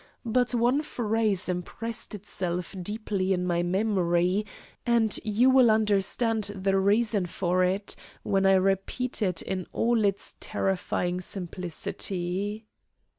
But one phrase impressed itself deeply in my memory, and you will understand the reason for it when I repeat it in all its terrifying simplicity.